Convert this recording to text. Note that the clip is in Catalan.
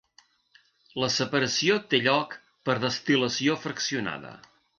La separació té lloc per destil·lació fraccionada.